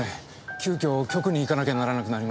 急遽局に行かなきゃならなくなりまして。